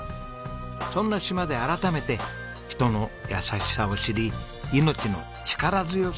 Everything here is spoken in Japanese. そんな島で改めて人の優しさを知り命の力強さを感じました。